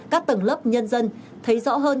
các tầng lớp nhân dân thấy rõ hơn